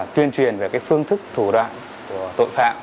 tuyên truyền về phương thức thủ đoạn của tội phạm